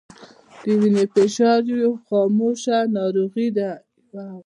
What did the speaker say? د وینې فشار یوه خاموشه ناروغي ده